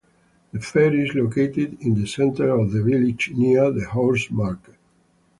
The fair is located in the centre of the village near the horse market.